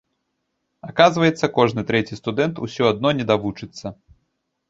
Аказваецца кожны трэці студэнт усё адно не давучыцца.